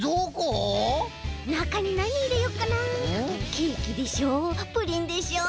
ケーキでしょプリンでしょ